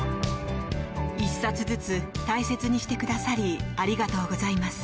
１冊ずつ大切にしてくださりありがとうございます。